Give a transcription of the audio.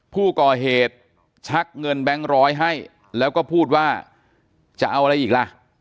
ผู้ก่อเหตุชักเงินแบงค์ร้อยให้แล้วก็พูดว่าจะเอาอะไรอีกล่ะ